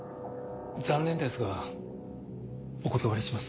残念ですがお断りします。